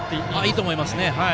いいと思います。